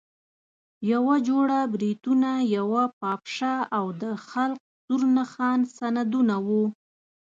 یوه جوړه بریتونه، یوه پاپشه او د خلق سور نښان سندونه وو.